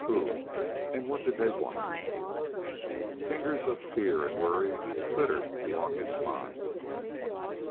Who? And what did they want? Fingers of fear and worry flittered along his spine.